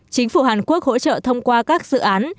chính phủ hàn quốc hỗ trợ thông qua các dự án